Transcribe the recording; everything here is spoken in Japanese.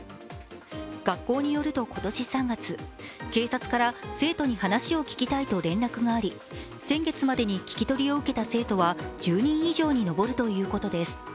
学校によると今年３月警察から生徒に話を聞きたいと連絡があり先月までに聞き取りを受けた生徒は１０人以上に上るということです。